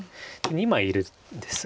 ２枚いるんです。